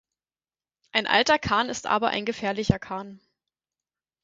Ein alter Kahn ist aber ein gefährlicher Kahn.